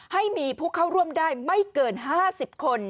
ให้มีผู้เข้าร่วมได้ไม่เกิน๕๐คน